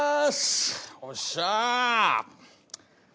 おっしゃ！